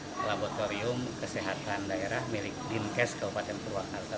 dalam hal ini di laboratorium kesehatan daerah milik dinkes kabupaten purwakarta